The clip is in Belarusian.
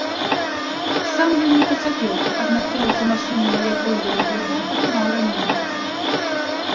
Сам ён не пацярпеў, аднак кіроўца машыны, на якой ён ехаў, атрымаў раненне.